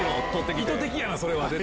意図的やな、それは絶対。